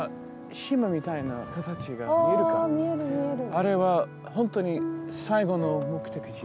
あれは本当に最後の目的地。